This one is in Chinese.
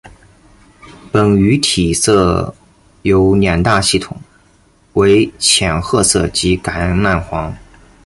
本鱼体色有两大系统为浅褐色及橄榄黄。